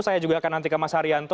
saya juga akan nanti ke mas haryanto